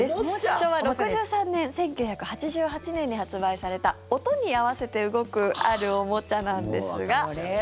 昭和６３年、１９８８年に発売された音に合わせて動くあるおもちゃなんですが。